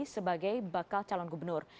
sebagai bakal calon gubernur